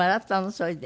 それで。